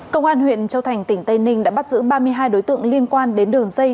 công an huyện châu thành tỉnh tây ninh đã bắt giữ ba mươi hai đối tượng liên quan đến đường dây